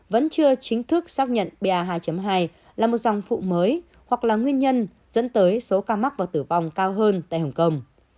vẫn chưa chính thức xác nhận ba hai là một dòng phụ mới hoặc là nguyên nhân dẫn tới số ca mắc và tử vong cao hơn tại hồng kông